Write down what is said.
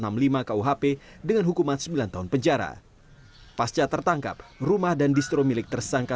mengendos pakaian yang dimiliki oleh tersangka